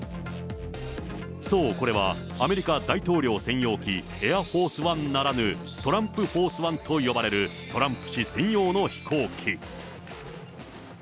そう、これはアメリカ大統領専用機エア・フォース・ワンならぬ、トランプ・フォース・ワンと呼ばれる、トランプ氏専用の飛行機。